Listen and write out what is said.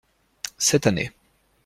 Cette année.